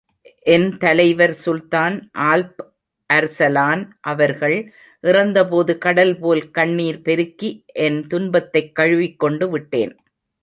என் தலைவர் சுல்தான் Alp Arslan அவர்கள் இறந்தபோது, கடல்போல் கண்ணிர் பெருக்கி என் துன்பத்தைக் கழுவிக்கொண்டு விட்டேன்.